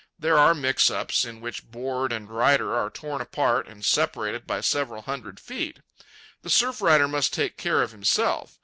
There are mix ups in which board and rider are torn apart and separated by several hundred feet. The surf rider must take care of himself.